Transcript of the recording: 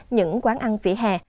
những quán ăn vỉa hè